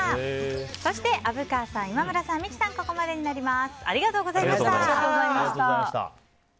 そして虻川さん、今村さん三木さんはここまでになります。